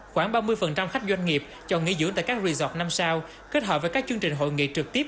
khoảng ba mươi khách doanh nghiệp chọn nghỉ dưỡng tại các resort năm sao kết hợp với các chương trình hội nghị trực tiếp